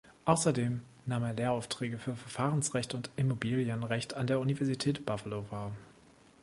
Außerdem nahm er Lehraufträge für Verfahrensrecht und Immobilienrecht an der Universität Buffalo wahr.